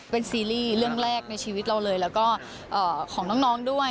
เป็นซีรีส์เรื่องแรกในชีวิตเราเลยแล้วก็ของน้องด้วย